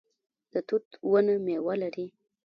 د توت ونه میوه لري